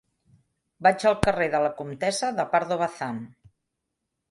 Vaig al carrer de la Comtessa de Pardo Bazán.